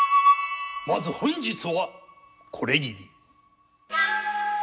まず本日はこれぎり。